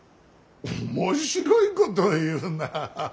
面白いことを言うなあ。